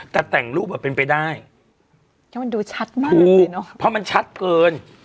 แต่แต่งรูปอ่ะเป็นไปได้แล้วมันดูชัดมากเพราะมันชัดเกิน